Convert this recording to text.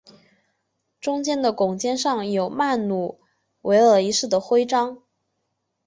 中间的拱肩上有曼努埃尔一世的徽章。